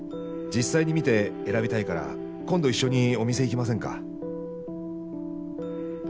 実際に見て選びたいから、今度一緒にお店行きませんか？」。